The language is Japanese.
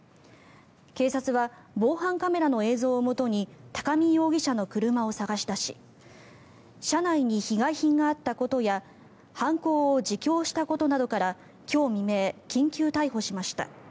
警察は防犯カメラの映像をもとに高見容疑者の車を探し出し車内に被害品があったことや犯行を自供したことなどから今日未明、緊急逮捕しました。